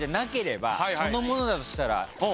そのものだとしたら。